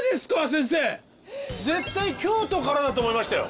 先生絶対京都からだと思いましたよ